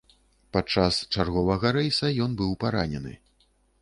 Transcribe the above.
Падчас чарговага рэйса ён быў паранены.